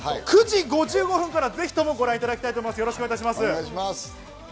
９時５５分からぜひともご覧いただきたいと思います。